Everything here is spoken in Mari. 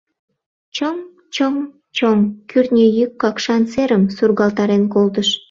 Чоҥ-чоҥ-чоҥ! кӱртньӧ йӱк Какшан серым сургалтарен колтыш.